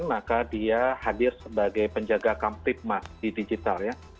maka dia hadir sebagai penjaga kamtipmas di digital ya